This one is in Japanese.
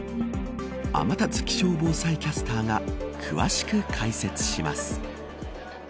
天達気象防災キャスターが詳しく解説します。